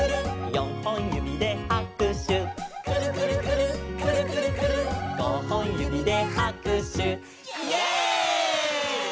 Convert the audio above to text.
「よんほんゆびではくしゅ」「くるくるくるっくるくるくるっ」「ごほんゆびではくしゅ」イエイ！